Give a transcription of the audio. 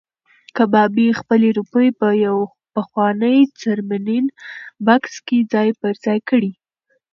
کبابي خپلې روپۍ په یو پخواني څرمنین بکس کې ځای پر ځای کړې.